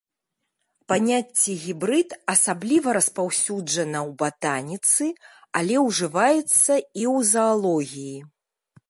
Паняцце гібрыд асабліва распаўсюджана ў батаніцы, але ўжываецца і ў заалогіі.